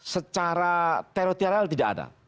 secara teroris tidak ada